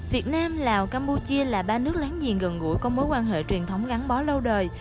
việt nam lào campuchia là ba nước láng giềng gần gũi có mối quan hệ truyền thống gắn bó lâu đời